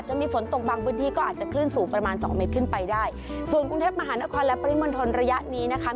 จะมีฝนตกบางพื้นที่ก็อาจจะคลื่นสูงประมาณสองเมตรขึ้นไปได้ส่วนกรุงเทพมหานครและปริมณฑลระยะนี้นะคะ